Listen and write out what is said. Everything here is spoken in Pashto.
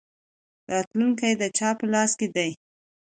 راتلونکی د چا په لاس کې دی؟